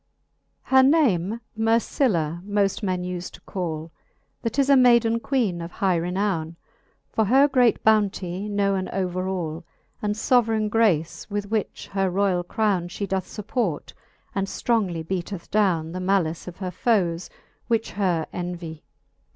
XVII. Her name Mer cilia moft men ufe to call ; That is a mayden Queene of high renowne. For her great bounty knowen over all, And fbveraine grace, with which her royall crowne She doth fupport, and ftrongly beateth downe The malice of her foes^ which her envy.